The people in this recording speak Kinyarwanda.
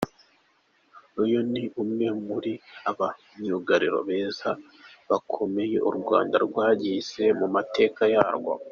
Uyu ni umwe muri ba myugariro beza bakomeye u Rwanda rwagize mu mateka yarwo.